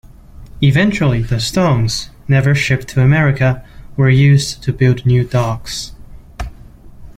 Eventually the stones, never shipped to America, were used to build new docks.